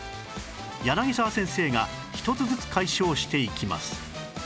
柳沢先生が１つずつ解消していきます